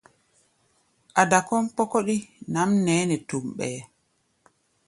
Ada kɔ́ʼm kpɔ́kɔ́ɗí nʼam dé nɛ tom ɓɛɛ́.